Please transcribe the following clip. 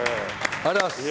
ありがとうございます。